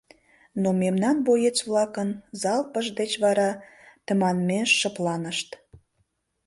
Но мемнан боец-влакын залпышт деч вара тыманмеш шыпланышт.